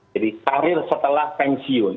jadi karir setelah pensiun